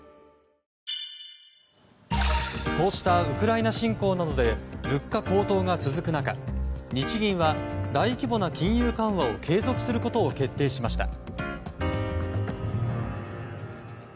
こうしたウクライナ侵攻などで物価高騰が続く中日銀は大規模な金融緩和を継続することを決定しました。